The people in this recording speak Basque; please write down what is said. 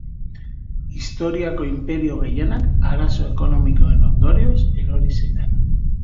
Historiako inperio gehienak arazo ekonomikoen ondorioz erori ziren.